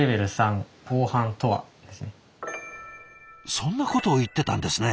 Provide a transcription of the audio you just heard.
そんなことを言ってたんですね。